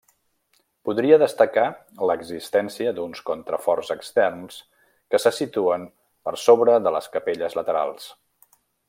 Podria destacar l'existència d'uns contraforts externs que se situen per sobre de les capelles laterals.